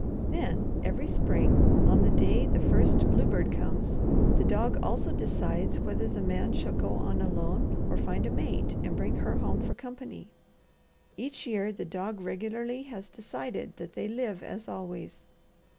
"Then every spring, on the day the first bluebird comes, the dog also decides whether the man shall go on alone or find a mate and bring her home for company. Each year the dog regularly has decided that they live as always.